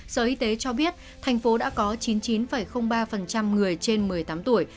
sở y tế cho biết tp hcm đã có chín mươi chín ba người trên một mươi tám tuổi